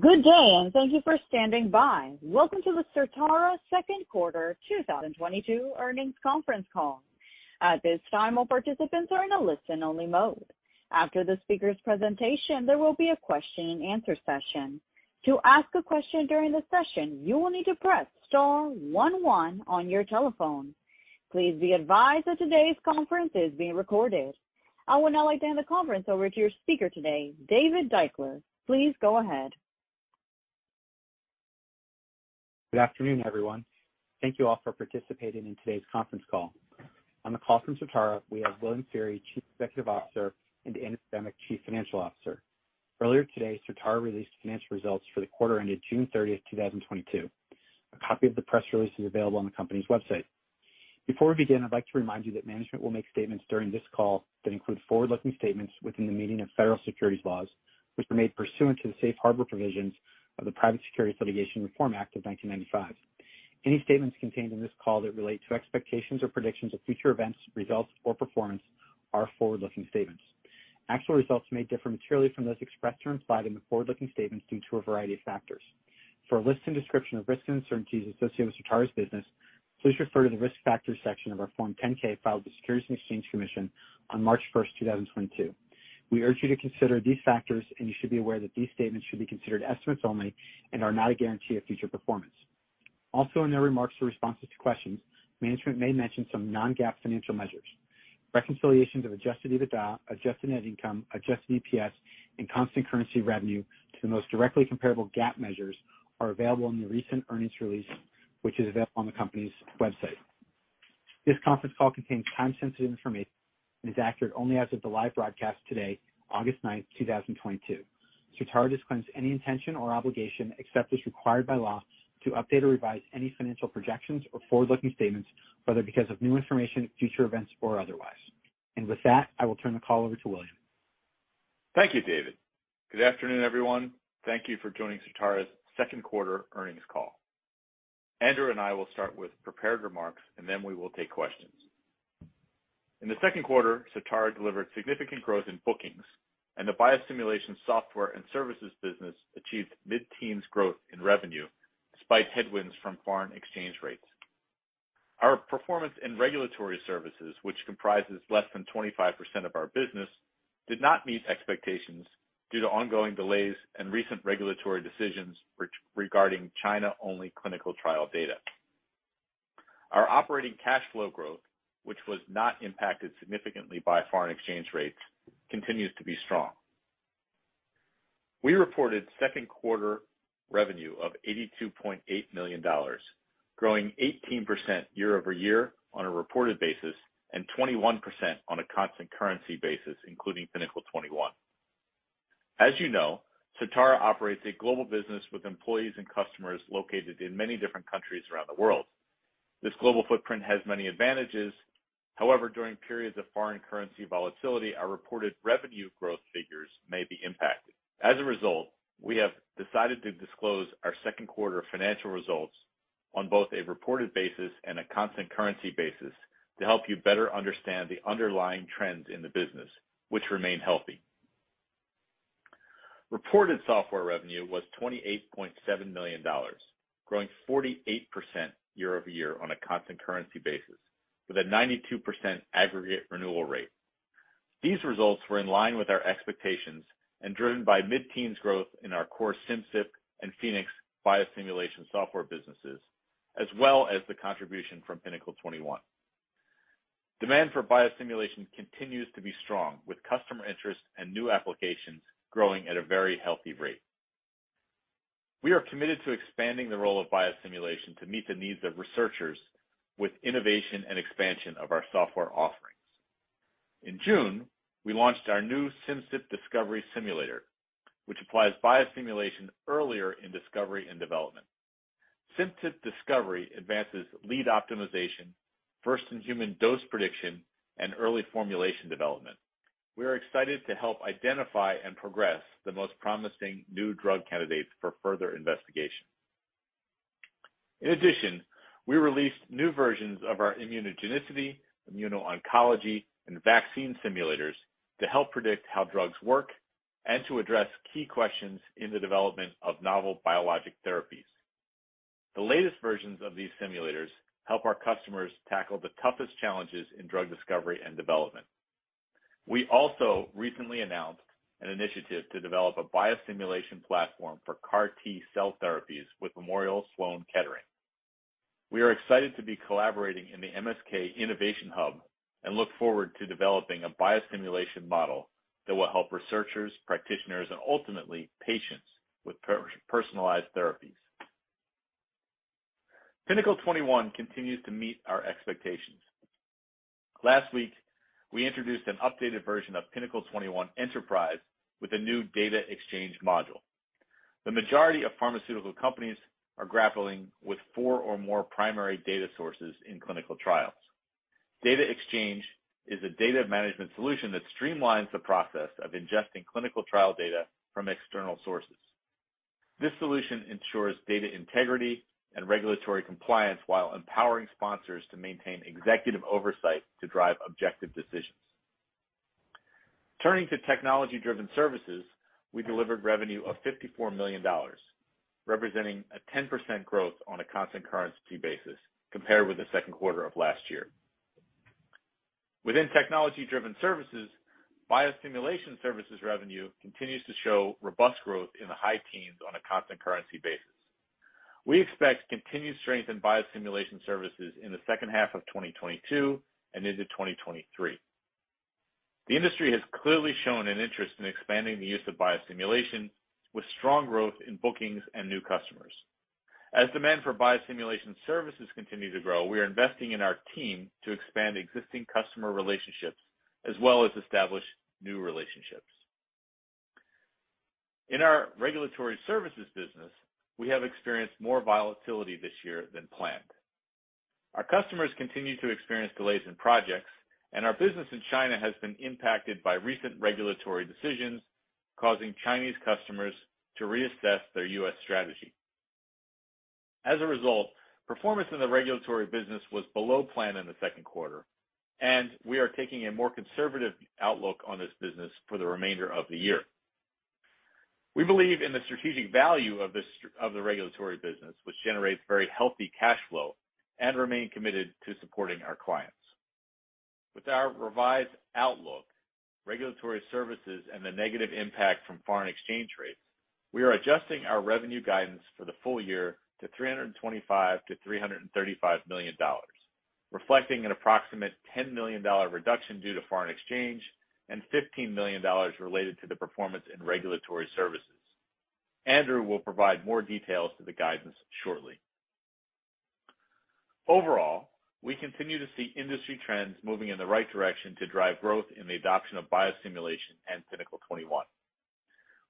Good day, and thank you for standing by. Welcome to the Certara second quarter 2022 earnings conference call. At this time, all participants are in a listen only mode. After the speaker's presentation, there will be a question and answer session. To ask a question during the session, you will need to press star one one on your telephone. Please be advised that today's conference is being recorded. I would now like to hand the conference over to your speaker today, David Deuchler. Please go ahead. Good afternoon, everyone. Thank you all for participating in today's conference call. On the call from Certara, we have William Feehery, Chief Executive Officer, and Andrew Schemick, Chief Financial Officer. Earlier today, Certara released financial results for the quarter ending June 30th, 2022. A copy of the press release is available on the company's website. Before we begin, I'd like to remind you that management will make statements during this call that include forward-looking statements within the meaning of Federal securities laws, which were made pursuant to the safe harbor provisions of the Private Securities Litigation Reform Act of 1995. Any statements contained in this call that relate to expectations or predictions of future events, results, or performance are forward-looking statements. Actual results may differ materially from those expressed or implied in the forward-looking statements due to a variety of factors. For a list and description of risks and uncertainties associated with Certara's business, please refer to the Risk Factors section of our Form 10-K filed with Securities and Exchange Commission on March 1st, 2022. We urge you to consider these factors, and you should be aware that these statements should be considered estimates only and are not a guarantee of future performance. Also, in their remarks or responses to questions, management may mention some Non-GAAP financial measures. Reconciliations of adjusted EBITDA, adjusted net income, adjusted EPS, and constant currency revenue to the most directly comparable GAAP measures are available in the recent earnings release, which is available on the company's website. This conference call contains time-sensitive information and is accurate only as of the live broadcast today, August 9th, 2022. Certara disclaims any intention or obligation, except as required by law, to update or revise any financial projections or forward-looking statements, whether because of new information, future events, or otherwise. With that, I will turn the call over to William. Thank you, David. Good afternoon, everyone. Thank you for joining Certara's second quarter earnings call. Andrew and I will start with prepared remarks, and then we will take questions. In the second quarter, Certara delivered significant growth in bookings and the biosimulation software and services business achieved mid-teens growth in revenue despite headwinds from foreign exchange rates. Our performance in regulatory services, which comprises less than 25% of our business, did not meet expectations due to ongoing delays and recent regulatory decisions regarding China-only clinical trial data. Our operating cash flow growth, which was not impacted significantly by foreign exchange rates, continues to be strong. We reported second quarter revenue of $82.8 million, growing 18% year-over-year on a reported basis and 21% on a constant currency basis, including Pinnacle 21. As you know, Certara operates a global business with employees and customers located in many different countries around the world. This global footprint has many advantages. However, during periods of foreign currency volatility, our reported revenue growth figures may be impacted. As a result, we have decided to disclose our second quarter financial results on both a reported basis and a constant currency basis to help you better understand the underlying trends in the business, which remain healthy. Reported software revenue was $28.7 million, growing 48% year-over-year on a constant currency basis with a 92% aggregate renewal rate. These results were in line with our expectations and driven by mid-teens growth in our core Simcyp and Phoenix biosimulation software businesses, as well as the contribution from Pinnacle 21. Demand for biosimulation continues to be strong with customer interest and new applications growing at a very healthy rate. We are committed to expanding the role of biosimulation to meet the needs of researchers with innovation and expansion of our software offerings. In June, we launched our new Simcyp Discovery Simulator, which applies biosimulation earlier in discovery and development. Simcyp Discovery Simulator advances lead optimization, first in human dose prediction, and early formulation development. We are excited to help identify and progress the most promising new drug candidates for further investigation. In addition, we released new versions of our immunogenicity, immuno-oncology, and vaccine simulators to help predict how drugs work and to address key questions in the development of novel biologic therapies. The latest versions of these simulators help our customers tackle the toughest challenges in drug discovery and development. We also recently announced an initiative to develop a biosimulation platform for CAR T-cell therapies with Memorial Sloan Kettering. We are excited to be collaborating in the MSK Innovation Hub and look forward to developing a biosimulation model that will help researchers, practitioners, and ultimately patients with personalized therapies. Pinnacle 21 continues to meet our expectations. Last week, we introduced an updated version of Pinnacle 21 Enterprise with a new data exchange module. The majority of pharmaceutical companies are grappling with four or more primary data sources in clinical trials. Data exchange is a data management solution that streamlines the process of ingesting clinical trial data from external sources. This solution ensures data integrity and regulatory compliance while empowering sponsors to maintain executive oversight to drive objective decisions. Turning to technology-driven services, we delivered revenue of $54 million, representing a 10% growth on a constant currency basis compared with the second quarter of last year. Within technology-driven services, biosimulation services revenue continues to show robust growth in the high teens on a constant currency basis. We expect continued strength in biosimulation services in the H2 of 2022 and into 2023. The industry has clearly shown an interest in expanding the use of biosimulation, with strong growth in bookings and new customers. As demand for biosimulation services continue to grow, we are investing in our team to expand existing customer relationships as well as establish new relationships. In our regulatory services business, we have experienced more volatility this year than planned. Our customers continue to experience delays in projects, and our business in China has been impacted by recent regulatory decisions, causing Chinese customers to reassess their U.S. strategy. As a result, performance in the regulatory business was below plan in the second quarter, and we are taking a more conservative outlook on this business for the remainder of the year. We believe in the strategic value of the regulatory business, which generates very healthy cash flow and remain committed to supporting our clients. With our revised outlook, regulatory services and the negative impact from foreign exchange rates, we are adjusting our revenue guidance for the full year to $325 million-$335 million, reflecting an approximate $10 million reduction due to foreign exchange and $15 million related to the performance in regulatory services. Andrew will provide more details to the guidance shortly. Overall, we continue to see industry trends moving in the right direction to drive growth in the adoption of biosimulation and Pinnacle 21.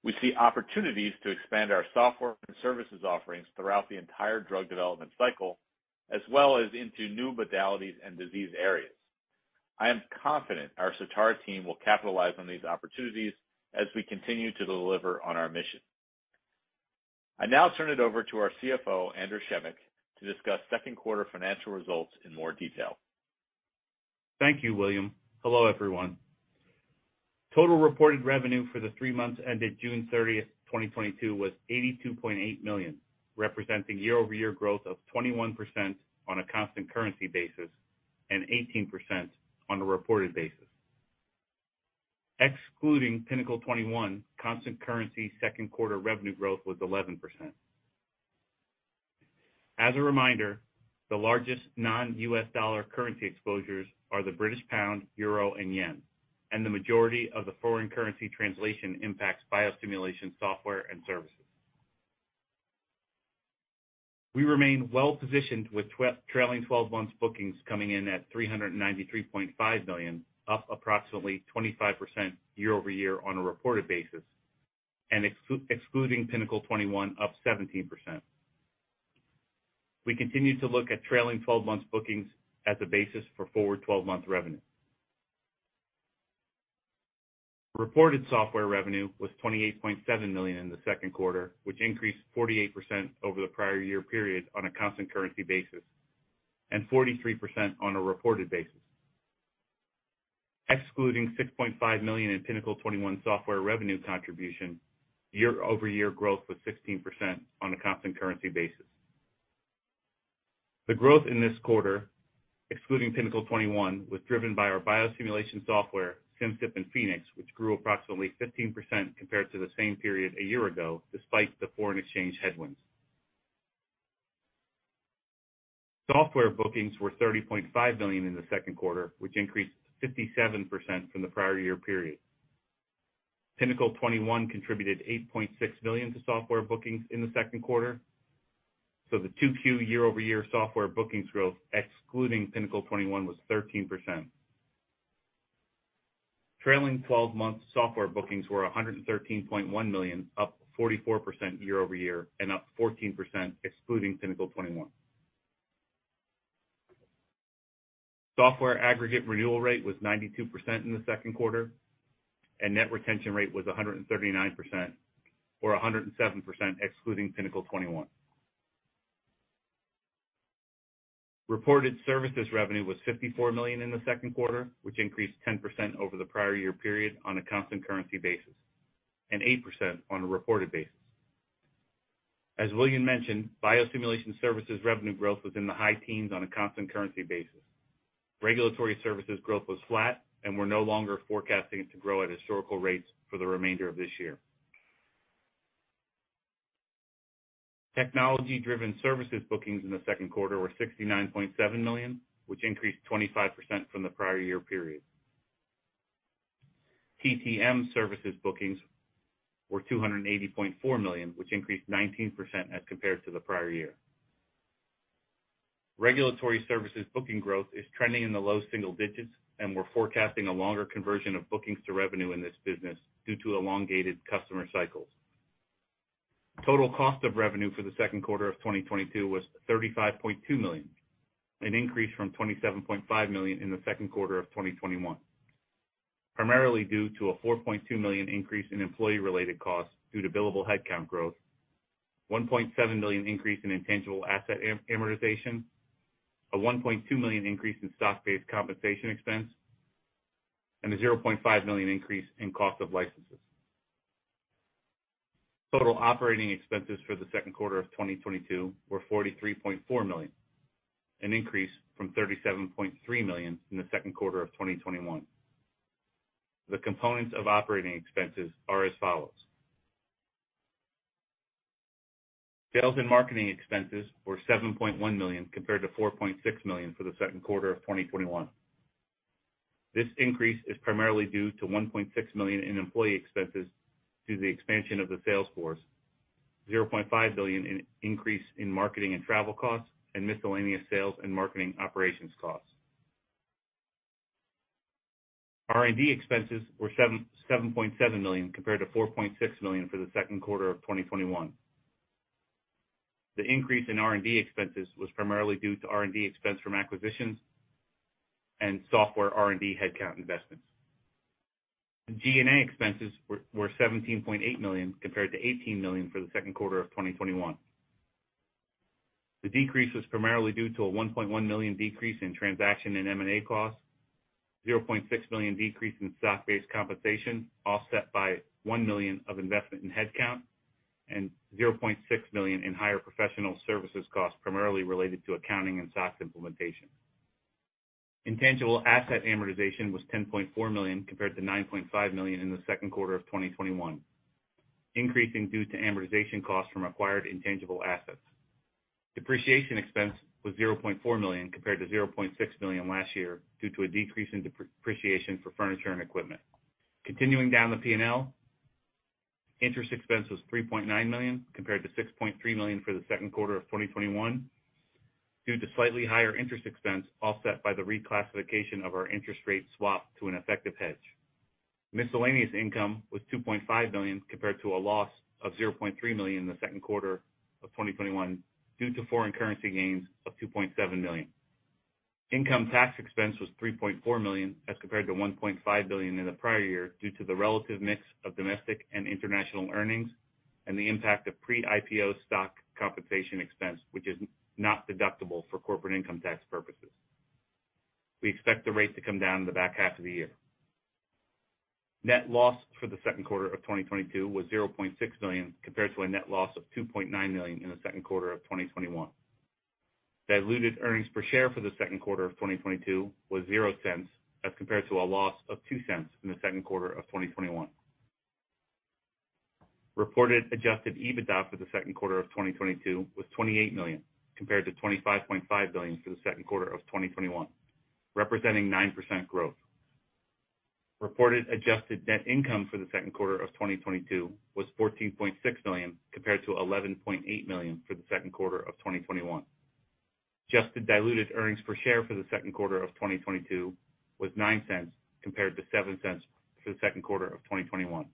We see opportunities to expand our software and services offerings throughout the entire drug development cycle, as well as into new modalities and disease areas. I am confident our Certara team will capitalize on these opportunities as we continue to deliver on our mission. I now turn it over to our CFO, Andrew Schemick, to discuss second quarter financial results in more detail. Thank you, William. Hello, everyone. Total reported revenue for the three months ended June 30th, 2022 was $82.8 million, representing year-over-year growth of 21% on a constant currency basis and 18% on a reported basis. Excluding Pinnacle 21, constant currency second quarter revenue growth was 11%. As a reminder, the largest non-U.S. dollar currency exposures are the British pound, euro and yen, and the majority of the foreign currency translation impacts biosimulation software and services. We remain well-positioned with trailing twelve months bookings coming in at $393.5 million, up approximately 25% year-over-year on a reported basis and excluding Pinnacle 21, up 17%. We continue to look at trailing 12-months bookings as a basis for forward 12-month revenue. Reported software revenue was $28.7 million in the second quarter, which increased 48% over the prior year period on a constant currency basis and 43% on a reported basis. Excluding $6.5 million in Pinnacle 21 software revenue contribution, year-over-year growth was 16% on a constant currency basis. The growth in this quarter, excluding Pinnacle 21, was driven by our biosimulation software, Simcyp and Phoenix, which grew approximately 15% compared to the same period a year ago, despite the foreign exchange headwinds. Software bookings were $30.5 million in the second quarter, which increased 57% from the prior year period. Pinnacle 21 contributed $8.6 million to software bookings in the second quarter, so the 2Q year-over-year software bookings growth, excluding Pinnacle 21, was 13%. Trailing twelve months software bookings were $113.1 million, up 44% year-over-year and up 14% excluding Pinnacle 21. Software aggregate renewal rate was 92% in the second quarter, and net retention rate was 139%, or 107% excluding Pinnacle 21. Reported services revenue was $54 million in the second quarter, which increased 10% over the prior year period on a constant currency basis and 8% on a reported basis. As William mentioned, biosimulation services revenue growth was in the high teens on a constant currency basis. Regulatory services growth was flat and we're no longer forecasting it to grow at historical rates for the remainder of this year. Technology-driven services bookings in the second quarter were $69.7 million, which increased 25% from the prior year period. TTM services bookings were $280.4 million, which increased 19% as compared to the prior year. Regulatory services booking growth is trending in the low single digits, and we're forecasting a longer conversion of bookings to revenue in this business due to elongated customer cycles. Total cost of revenue for the second quarter of 2022 was $35.2 million, an increase from $27.5 million in the second quarter of 2021. Primarily due to a $4.2 million increase in employee related costs due to billable headcount growth, $1.7 million increase in intangible asset amortization, a $1.2 million increase in stock-based compensation expense, and a $0.5 million increase in cost of licenses. Total operating expenses for the second quarter of 2022 were $43.4 million, an increase from $37.3 million in the second quarter of 2021. The components of operating expenses are as follows. Sales and marketing expenses were $7.1 million compared to $4.6 million for the second quarter of 2021. This increase is primarily due to $1.6 million in employee expenses due to the expansion of the sales force, an $0.5 million increase in marketing and travel costs, and miscellaneous sales and marketing operations costs. R&D expenses were 7.7 million compared to $4.6 million for the second quarter of 2021. The increase in R&D expenses was primarily due to R&D expense from acquisitions and software R&D headcount investments. G&A expenses were $17.8 million compared to $18 million for the second quarter of 2021. The decrease was primarily due to a $1.1 million decrease in transaction and M&A costs, $0.6 million decrease in stock-based compensation, offset by $1 million of investment in headcount, and $0.6 million in higher professional services costs, primarily related to accounting and SOX implementation. Intangible asset amortization was $10.4 million compared to $9.5 million in the second quarter of 2021, increasing due to amortization costs from acquired intangible assets. Depreciation expense was $0.4 million compared to $0.6 million last year due to a decrease in depreciation for furniture and equipment. Continuing down the P&L, interest expense was $3.9 million compared to $6.3 million for the second quarter of 2021 due to slightly higher interest expense offset by the reclassification of our interest rate swap to an effective hedge. Miscellaneous income was $2.5 million compared to a loss of $0.3 million in the second quarter of 2021 due to foreign currency gains of $2.7 million. Income tax expense was $3.4 million as compared to $1.5 million in the prior year due to the relative mix of domestic and international earnings and the impact of pre-IPO stock compensation expense, which is not deductible for corporate income tax purposes. We expect the rate to come down in the back half of the year. Net loss for the second quarter of 2022 was $0.6 million compared to a net loss of $2.9 million in the second quarter of 2021. Diluted earnings per share for the second quarter of 2022 was $0.00 as compared to a loss of $0.02 in the second quarter of 2021. Reported adjusted EBITDA for the second quarter of 2022 was $28 million compared to $25.5 million for the second quarter of 2021, representing 9% growth. Reported adjusted net income for the second quarter of 2022 was $14.6 million compared to $11.8 million for the second quarter of 2021. Adjusted diluted earnings per share for the second quarter of 2022 was $0.09 compared to $0.07 for the second quarter of 2021.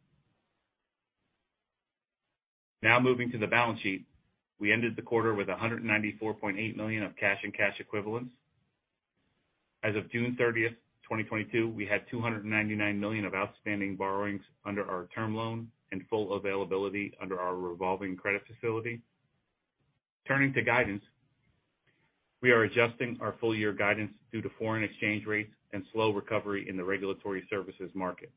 Now moving to the balance sheet. We ended the quarter with $194.8 million of cash and cash equivalents. As of June 30th, 2022, we had $299 million of outstanding borrowings under our term loan and full availability under our revolving credit facility. Turning to guidance, we are adjusting our full year guidance due to foreign exchange rates and slow recovery in the regulatory services market.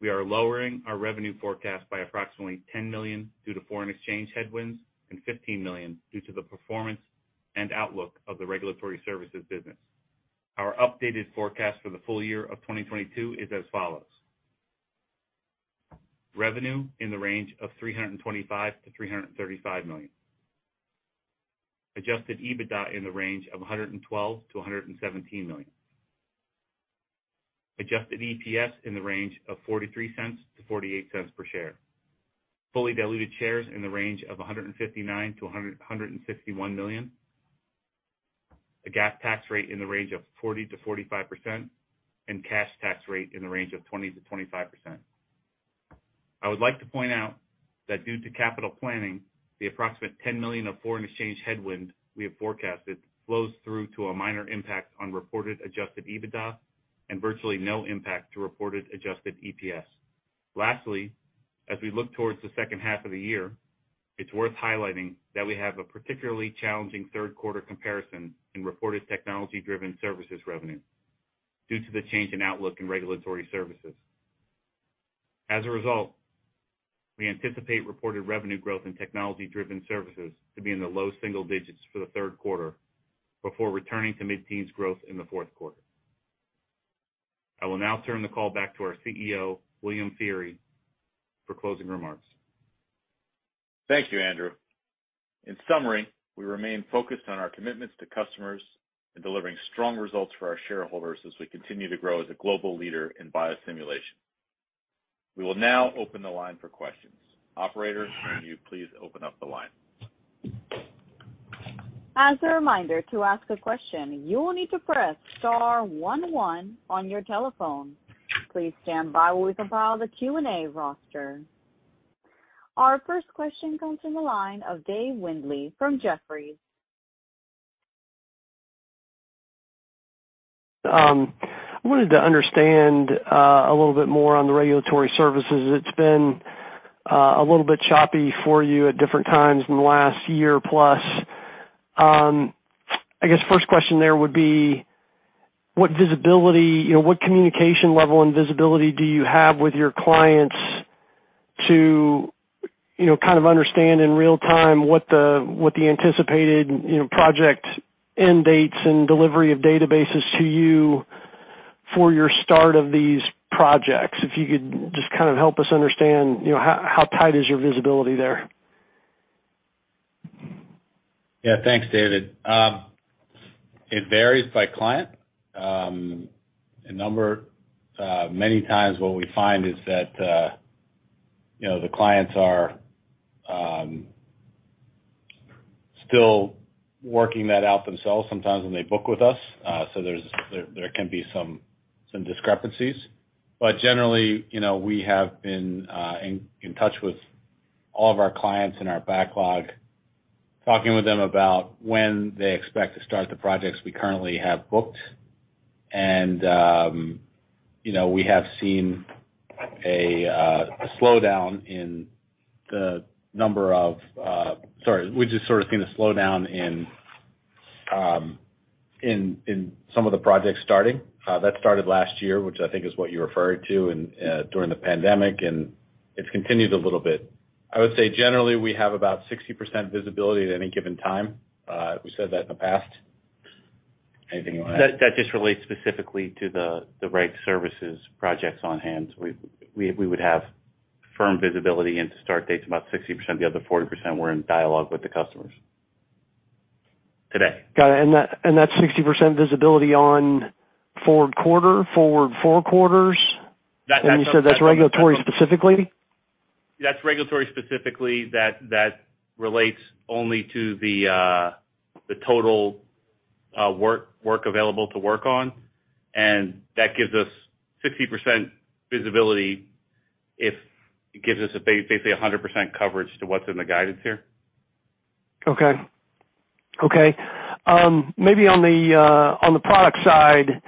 We are lowering our revenue forecast by approximately $10 million due to foreign exchange headwinds and $15 million due to the performance and outlook of the regulatory services business. Our updated forecast for the full year of 2022 is as follows. Revenue in the range of $325 million-$335 million. Adjusted EBITDA in the range of $112 million-$117 million. Adjusted EPS in the range of $0.43-$0.48 per share. Fully diluted shares in the range of 159 million-161 million. A GAAP tax rate in the range of 40%-45% and cash tax rate in the range of 20%-25%. I would like to point out that due to capital planning, the approximate $10 million of foreign exchange headwind we have forecasted flows through to a minor impact on reported adjusted EBITDA and virtually no impact to reported adjusted EPS. Lastly, as we look towards the H2 of the year, it's worth highlighting that we have a particularly challenging third quarter comparison in reported technology-driven services revenue due to the change in outlook in regulatory services. As a result, we anticipate reported revenue growth in technology-driven services to be in the low single digits for the third quarter before returning to mid-teens growth in the fourth quarter. I will now turn the call back to our CEO, William Feehery, for closing remarks. Thank you, Andrew. In summary, we remain focused on our commitments to customers and delivering strong results for our shareholders as we continue to grow as a global leader in biosimulation. We will now open the line for questions. Operator, can you please open up the line? As a reminder, to ask a question, you will need to press star one one on your telephone. Please stand by while we compile the Q&A roster. Our first question comes from the line of Dave Windley from Jefferies. I wanted to understand a little bit more on the regulatory services. It's been a little bit choppy for you at different times in the last year plus. I guess first question there would be what visibility, you know, what communication level and visibility do you have with your clients to, you know, kind of understand in real time what the anticipated, you know, project end dates and delivery of databases to you for your start of these projects? If you could just kind of help us understand, you know, how tight is your visibility there? Yeah. Thanks, David. It varies by client. A number, many times what we find is that, you know, the clients are still working that out themselves sometimes when they book with us. So there can be some discrepancies. But generally, you know, we have been in touch with all of our clients in our backlog, talking with them about when they expect to start the projects we currently have booked. You know, we're just sort of seeing a slowdown in some of the projects starting. That started last year, which I think is what you referred to during the pandemic, and it's continued a little bit. I would say generally, we have about 60% visibility at any given time. We said that in the past. Anything you wanna add? That just relates specifically to the reg services projects on hand. We would have firm visibility into start dates about 60%. The other 40%, we're in dialogue with the customers today. Got it. That 60% visibility on forward quarter, forward four quarters? That, that- You said that's regulatory specifically? That's regulatory specifically. That relates only to the total work available to work on. That gives us 60% visibility if it gives us basically 100% coverage to what's in the guidance here. Okay. Maybe on the product side,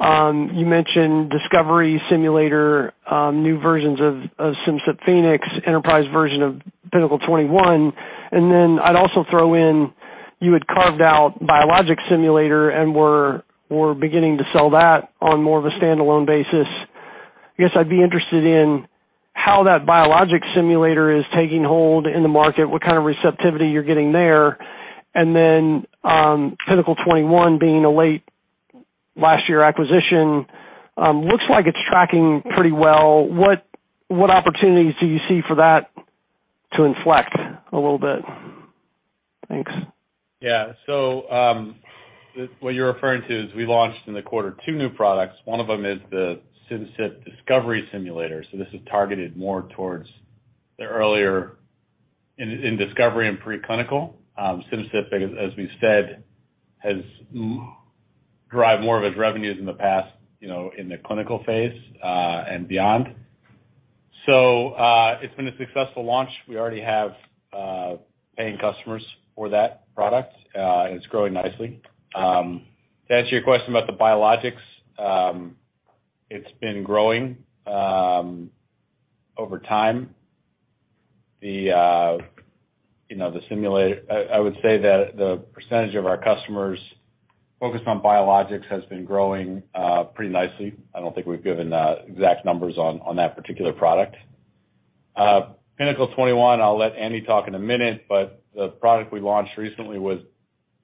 you mentioned Discovery Simulator, new versions of Simcyp Phoenix, enterprise version of Pinnacle 21, and then I'd also throw in you had carved out Biologics Simulator and were beginning to sell that on more of a standalone basis. I guess I'd be interested in how that Biologics Simulator is taking hold in the market, what kind of receptivity you're getting there? And then, Pinnacle 21 being a late last year acquisition, looks like it's tracking pretty well. What opportunities do you see for that to inflect a little bit? Thanks. Yeah. What you're referring to is we launched in the quarter two new products. One of them is the Simcyp Discovery Simulator, so this is targeted more towards the earlier in discovery and preclinical. Simcyp, as we said, has derived more of its revenues in the past, you know, in the clinical phase, and beyond. It's been a successful launch. We already have paying customers for that product, and it's growing nicely. To answer your question about the Biologics, it's been growing over time. The, you know, the simulator. I would say that the percentage of our customers focused on biologics has been growing pretty nicely. I don't think we've given exact numbers on that particular product. Pinnacle 21, I'll let Andy talk in a minute, but the product we launched recently was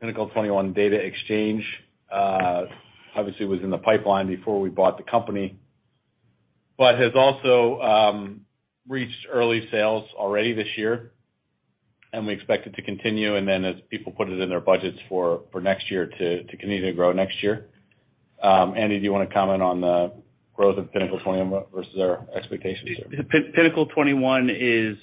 Pinnacle 21 Data Exchange. Obviously, it was in the pipeline before we bought the company, but has also reached early sales already this year, and we expect it to continue, and then as people put it in their budgets for next year, to continue to grow next year. Andy, do you wanna comment on the growth of Pinnacle 21 versus our expectations there? Pinnacle 21 is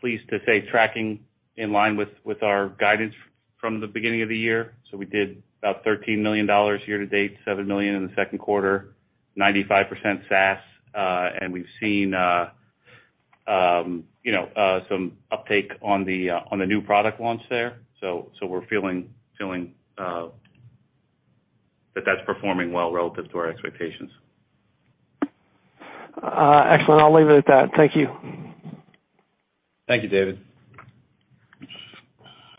pleased to say tracking in line with our guidance from the beginning of the year. We did about $13 million year to date, $7 million in the second quarter, 95% SaaS, and we've seen you know some uptake on the new product launch there. We're feeling that that's performing well relative to our expectations. Excellent. I'll leave it at that. Thank you. Thank you, David.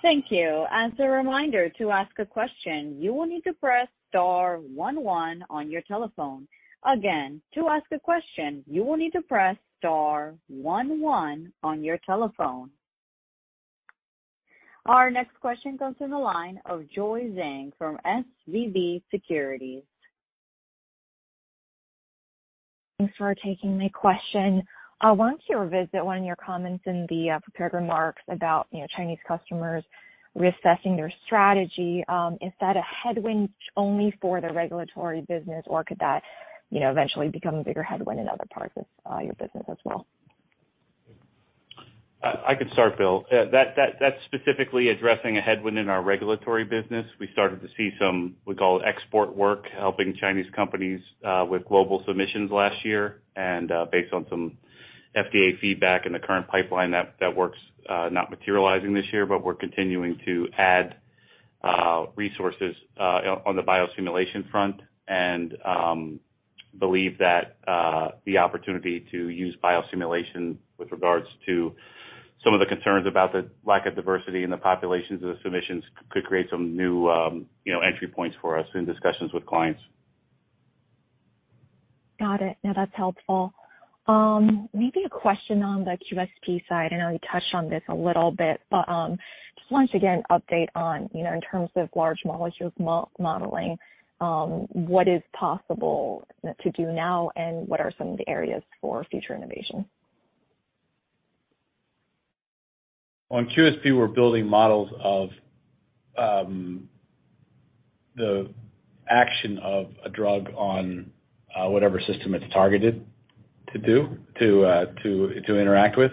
Thank you. As a reminder, to ask a question, you will need to press star one one on your telephone. Again, to ask a question, you will need to press star one one on your telephone. Our next question comes from the line of Joy Zhang from SVB Securities. Thanks for taking my question. I want to revisit one of your comments in the prepared remarks about, you know, Chinese customers reassessing their strategy. Is that a headwind only for the regulatory business, or could that, you know, eventually become a bigger headwind in other parts of your business as well? I could start, Bill. That's specifically addressing a headwind in our regulatory business. We started to see some, we call export work, helping Chinese companies with global submissions last year. Based on some FDA feedback in the current pipeline, that work's not materializing this year, but we're continuing to add resources on the biosimulation front and believe that the opportunity to use biosimulation with regards to some of the concerns about the lack of diversity in the populations of the submissions could create some new, you know, entry points for us in discussions with clients. Got it. No, that's helpful. Maybe a question on the QSP side, I know you touched on this a little bit, but just once again, update on, you know, in terms of large molecules modeling, what is possible to do now, and what are some of the areas for future innovation? On QSP, we're building models of the action of a drug on whatever system it's targeted to interact with.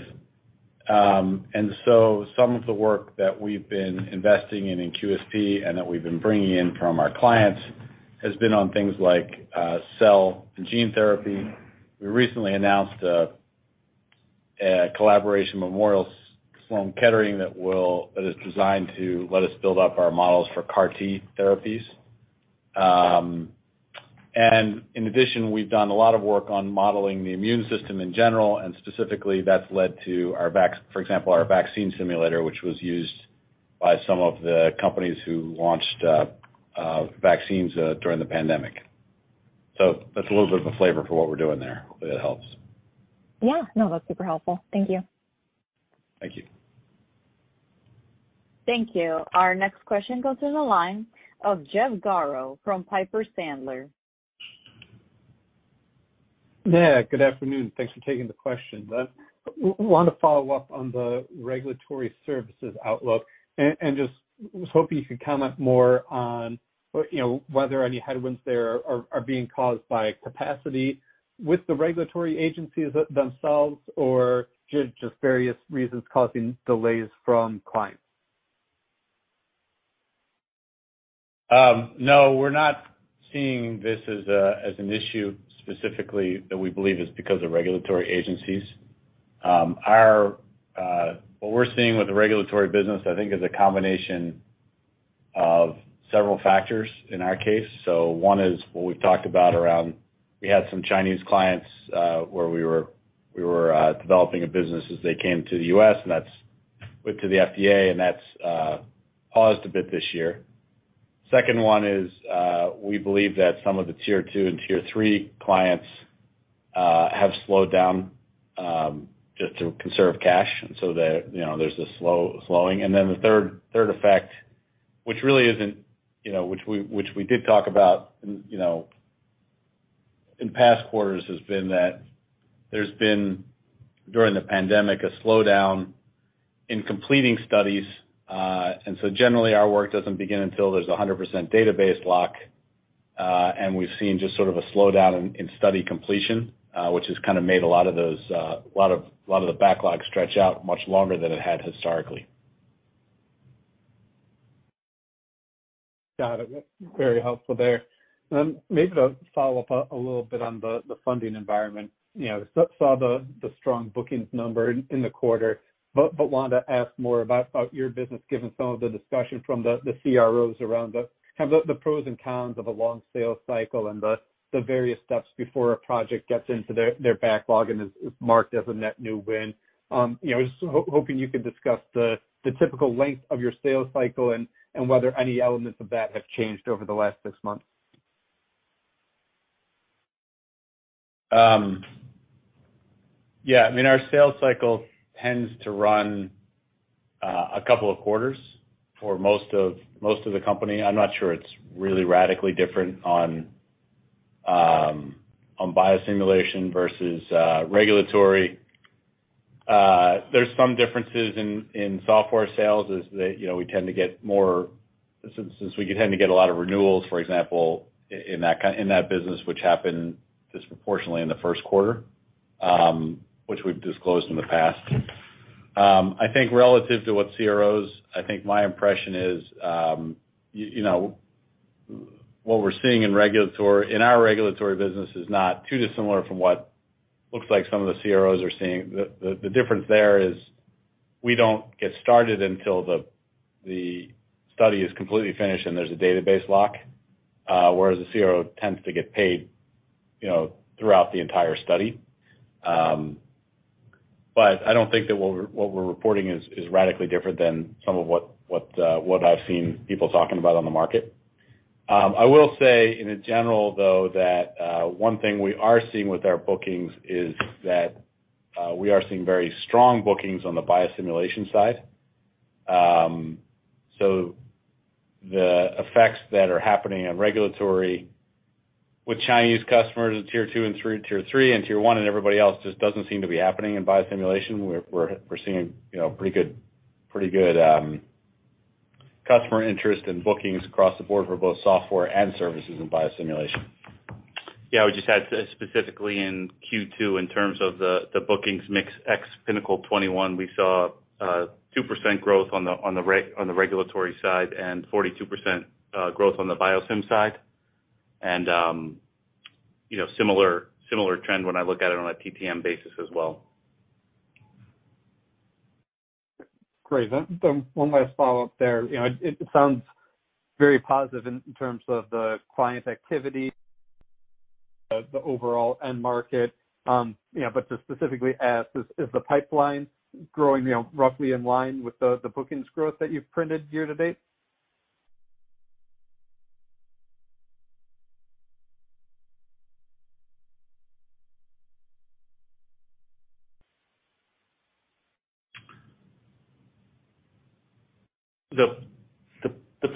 Some of the work that we've been investing in in QSP and that we've been bringing in from our clients has been on things like cell and gene therapy. We recently announced a collaboration Memorial Sloan Kettering that is designed to let us build up our models for CAR T therapies. In addition, we've done a lot of work on modeling the immune system in general, and specifically, that's led to, for example, our vaccine simulator, which was used by some of the companies who launched vaccines during the pandemic. That's a little bit of a flavor for what we're doing there. Hopefully, that helps. Yeah. No, that's super helpful. Thank you. Thank you. Thank you. Our next question goes to the line of Jeff Garro from Piper Sandler. Yeah, good afternoon. Thanks for taking the question. I want to follow up on the regulatory services outlook and just was hoping you could comment more on, you know, whether any headwinds there are being caused by capacity with the regulatory agencies themselves or just various reasons causing delays from clients. No, we're not seeing this as an issue specifically that we believe is because of regulatory agencies. Our, what we're seeing with the regulatory business, I think is a combination of several factors in our case. One is what we've talked about around we had some Chinese clients, where we were developing a business as they came to the U.S., and that's went to the FDA, and that's paused a bit this year. Second one is, we believe that some of the tier two and tier three clients have slowed down, just to conserve cash, and so they, you know, there's a slowing. The third effect, which really isn't, you know, which we did talk about, you know, in past quarters, has been that there's been, during the pandemic, a slowdown in completing studies. Generally our work doesn't begin until there's 100% database lock. We've seen just sort of a slowdown in study completion, which has kind of made a lot of the backlogs stretch out much longer than it had historically. Got it. Very helpful there. Maybe to follow up a little bit on the funding environment. You know, saw the strong bookings number in the quarter, but wanted to ask more about your business, given some of the discussion from the CROs around the kind of pros and cons of a long sales cycle and the various steps before a project gets into their backlog and is marked as a net new win. You know, just hoping you could discuss the typical length of your sales cycle and whether any elements of that have changed over the last six months. Yeah. I mean, our sales cycle tends to run a couple of quarters for most of the company. I'm not sure it's really radically different on biosimulation versus regulatory. There's some differences in software sales is that, you know, we tend to get more. Since we tend to get a lot of renewals, for example, in that business, which happened disproportionately in the first quarter, which we've disclosed in the past. I think relative to what CROs, I think my impression is, you know, what we're seeing in our regulatory business is not too dissimilar from what looks like some of the CROs are seeing. The difference there is we don't get started until the study is completely finished and there's a database lock, whereas the CRO tends to get paid, you know, throughout the entire study. I don't think that what we're reporting is radically different than some of what I've seen people talking about on the market. I will say in general though, that one thing we are seeing with our bookings is that we are seeing very strong bookings on the biosimulation side. The effects that are happening on regulatory with Chinese customers in tier two and three, and tier one and everybody else just doesn't seem to be happening in biosimulation. We're seeing, you know, pretty good customer interest in bookings across the board for both software and services in biosimulation. Yeah, we just had specifically in Q2 in terms of the bookings mix ex Pinnacle 21, we saw 2% growth on the regulatory side and 42% growth on the biosim side. You know, similar trend when I look at it on a TTM basis as well. Great. One last follow-up there. You know, it sounds very positive in terms of the client activity, the overall end market, you know, but to specifically ask, is the pipeline growing, you know, roughly in line with the bookings growth that you've printed year to date?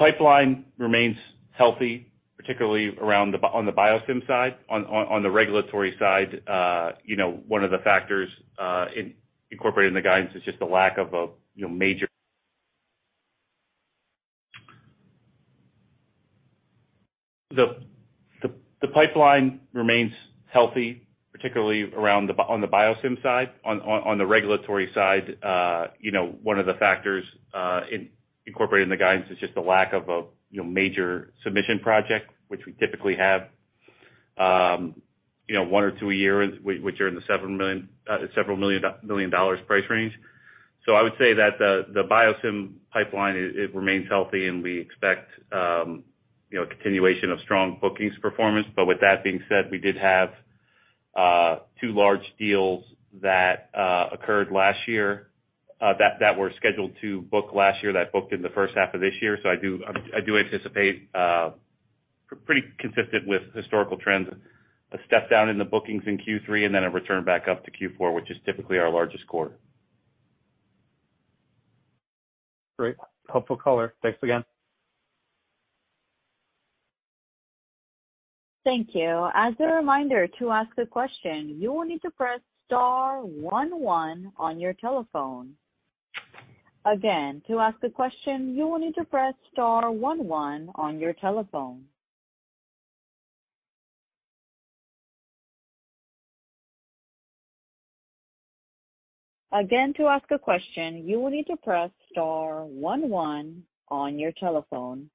The pipeline remains healthy, particularly on the Biosim side. On the regulatory side, you know, one of the factors in incorporating the guidance is just the lack of a, you know, major submission project, which we typically have 1 or 2 a year, and which are in the $7 million, several million dollars price range. I would say that the Biosim pipeline remains healthy and we expect, you know, continuation of strong bookings performance. With that being said, we did have two large deals that occurred last year, that were scheduled to book last year, that booked in the H1 of this year. I do anticipate pretty consistent with historical trends, a step down in the bookings in Q3 and then a return back up to Q4, which is typically our largest quarter. Great. Helpful color. Thanks again. Thank you. As a reminder, to ask a question, you will need to press star one one on your telephone. Again, to ask a question, you will need to press star one one on your telephone. Again, to ask a question, you will need to press star one one on your telephone.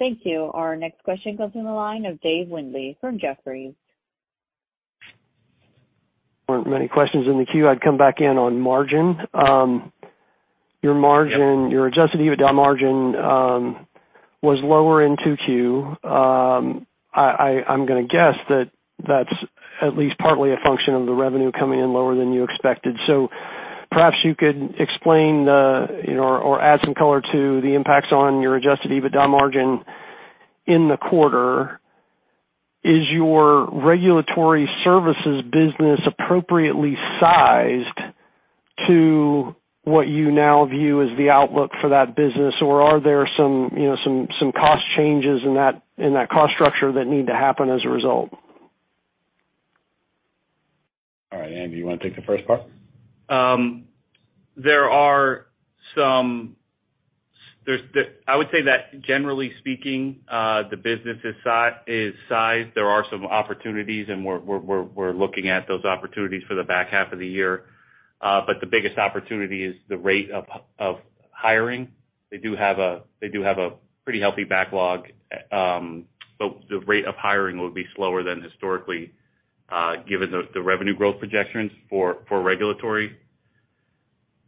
Thank you. Our next question comes from the line of Dave Windley from Jefferies. weren't many questions in the queue. I'd come back in on margin. Your margin, your adjusted EBITDA margin, was lower in 2Q. I'm gonna guess that that's at least partly a function of the revenue coming in lower than you expected. Perhaps you could explain the, you know, or add some color to the impacts on your adjusted EBITDA margin in the quarter. Is your regulatory services business appropriately sized to what you now view as the outlook for that business? Or are there some, you know, some cost changes in that cost structure that need to happen as a result? All right, Andy, you wanna take the first part? I would say that generally speaking, the business is sized. There are some opportunities, and we're looking at those opportunities for the back half of the year. The biggest opportunity is the rate of hiring. They do have a pretty healthy backlog. The rate of hiring will be slower than historically, given the revenue growth projections for regulatory.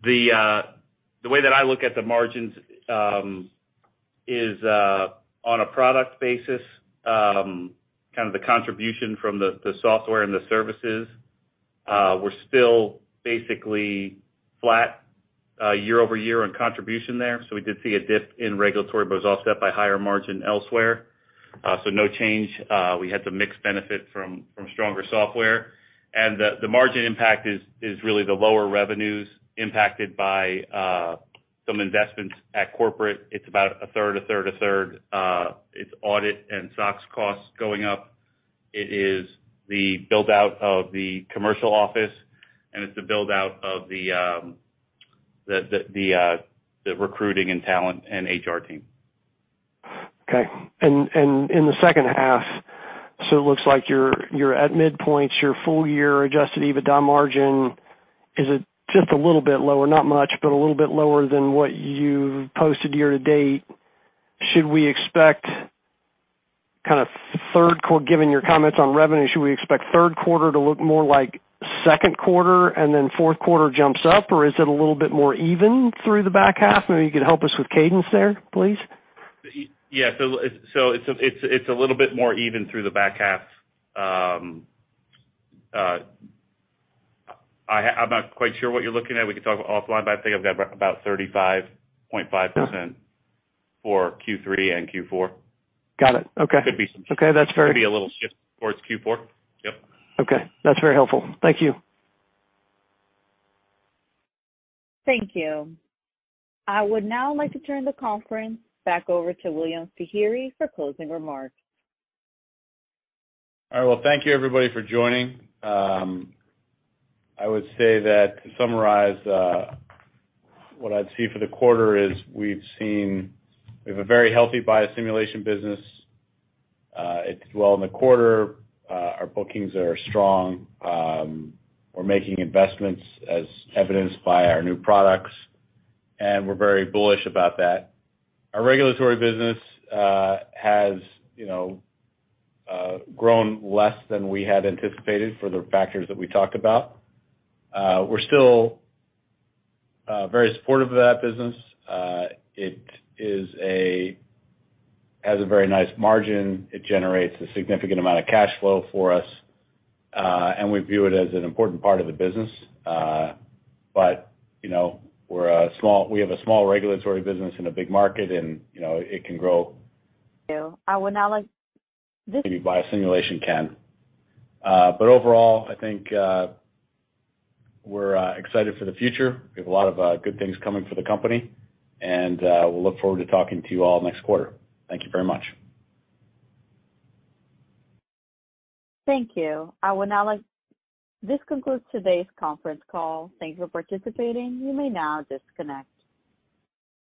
The way that I look at the margins is on a product basis, kind of the contribution from the software and the services. We're still basically flat year-over-year on contribution there. We did see a dip in regulatory, but it was offset by higher margin elsewhere. No change. We had the mixed benefit from stronger software. The margin impact is really the lower revenues impacted by some investments at corporate. It's about a third. It's audit and SOX costs going up. It is the build-out of the commercial office, and it's the build-out of the recruiting and talent and HR team. Okay. In the H2, it looks like you're at midpoints your full-year adjusted EBITDA margin. Is it just a little bit lower, not much, but a little bit lower than what you've posted year-to-date? Should we expect, giving your comments on revenue, third quarter to look more like second quarter and then fourth quarter jumps up, or is it a little bit more even through the back half? Maybe you could help us with cadence there, please. Yes. It's a little bit more even through the back half. I'm not quite sure what you're looking at. We can talk offline, but I think I've got about 35.5% for Q3 and Q4. Got it. Okay. Could be some- Okay. That's very. Could be a little shift towards Q4. Yep. Okay. That's very helpful. Thank you. Thank you. I would now like to turn the conference back over to William Feehery for closing remarks. All right. Well, thank you everybody for joining. I would say that to summarize, what I'd see for the quarter is we have a very healthy biosimulation business. It did well in the quarter. Our bookings are strong. We're making investments as evidenced by our new products, and we're very bullish about that. Our regulatory business has, you know, grown less than we had anticipated for the factors that we talked about. We're still very supportive of that business. It has a very nice margin. It generates a significant amount of cash flow for us, and we view it as an important part of the business. You know, we have a small regulatory business in a big market and, you know, it can grow. I would now like this. Maybe biosimulation can. Overall, I think, we're excited for the future. We have a lot of good things coming for the company, and we'll look forward to talking to you all next quarter. Thank you very much. Thank you. This concludes today's conference call. Thank you for participating. You may now disconnect.